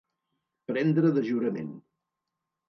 Prendre de jurament.